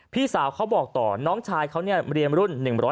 พี่สาวเขาบอกต่อน้องชายเขาเรียนรุ่น๑๐